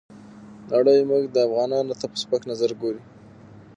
نړۍ موږ افغانانو ته په سپک نظر ګوري.